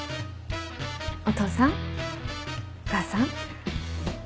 お父さんお母さん。